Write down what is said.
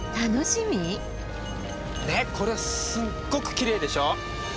ねっこれすっごくきれいでしょ？